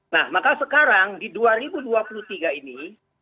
nah maka sekarang di dua ribu dua puluh tiga ini